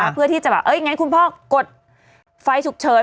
เพื่อที่จะแบบงั้นคุณพ่อกดไฟฉุกเฉิน